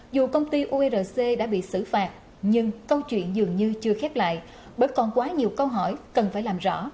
dù công ty urc đã bị xử phạt nhưng câu chuyện dường như chưa khép lại bởi còn quá nhiều câu hỏi cần phải làm rõ